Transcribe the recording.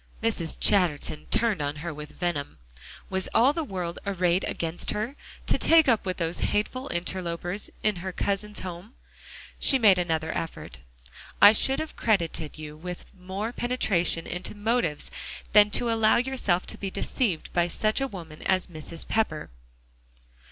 Mrs. Chatterton turned on her with venom. Was all the world arrayed against her, to take up with those hateful interlopers in her cousin's home? She made another effort. "I should have credited you with more penetration into motives than to allow yourself to be deceived by such a woman as Mrs. Pepper."